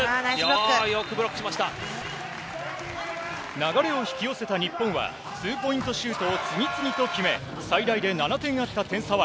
流れを引き寄せた日本は、ツーポイントシュートを次々と決め、最大で７点あった点差は、